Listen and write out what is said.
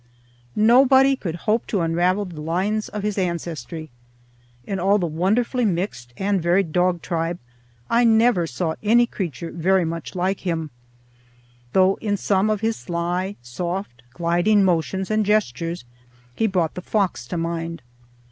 Nobody could hope to unravel the lines of his ancestry. In all the wonderfully mixed and varied dog tribe I never saw any creature very much like him, though in some of his sly, soft, gliding motions and gestures he brought the fox to mind.